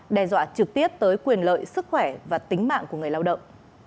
đe dọa trực tiếp tới quyền lợi sức khỏe và tính mạng của người lao động